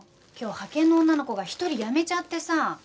今日派遣の女の子が１人辞めちゃってさ。